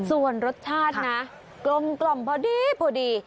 ส่วนรสชาตินะกลมพอดี